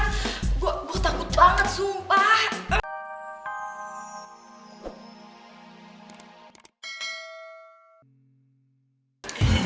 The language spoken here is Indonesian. gue takut banget sumpah